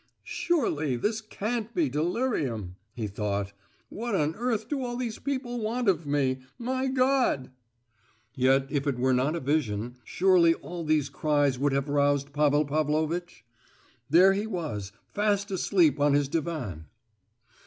"Surely this can't be delirium!" he thought. "What on earth do all these people want of me—my God!" Yet if it were not a vision, surely all these cries would have roused Pavel Pavlovitch? There he was, fast asleep in his divan!